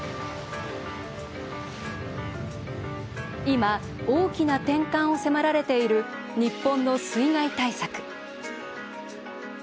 今、大きな転換を迫られている日本の水害対策。